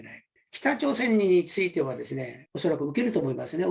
北朝鮮については、恐らく受けると思いますね。